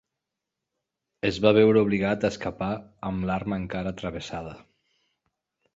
Es va veure obligat a escapar amb l'arma encara travessada.